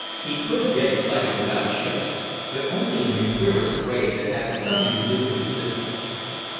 He could get excited about ships, but only in the queerest way that had something to do with his business.